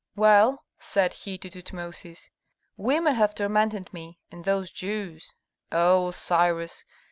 "Well," said he to Tutmosis, "women have tormented me, and those Jews O Cyrus!